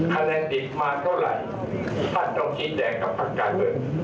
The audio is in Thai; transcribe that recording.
คะแนนติดมาเท่าไหร่ท่านต้องคิดแดงกับภาคการเบื้อง